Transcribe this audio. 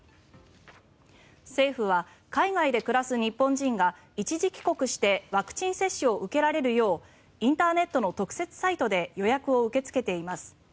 政府は海外で暮らす日本人が一時帰国してワクチン接種を受けられるようインターネットの特設サイトで予約を受け付けています。